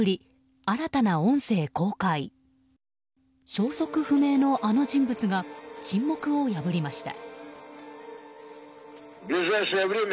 消息不明のあの人物が沈黙を破りました。